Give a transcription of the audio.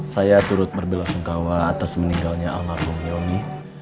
saya turut berbela sungkawa atas meninggalnya almarhum yoni